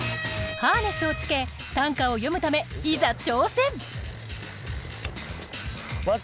ハーネスを着け短歌を詠むためいざ挑戦。